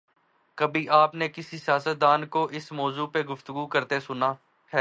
کبھی آپ نے کسی سیاستدان کو اس موضوع پہ گفتگو کرتے سنا ہے؟